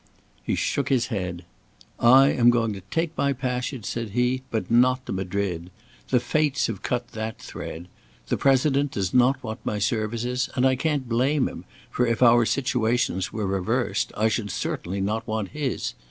He shook his head. "I am going to take my passage," said he, "but not to Madrid. The fates have cut that thread. The President does not want my services, and I can't blame him, for if our situations were reversed, I should certainly not want his.